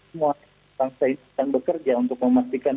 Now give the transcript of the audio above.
semua bangsa ini akan bekerja untuk memastikan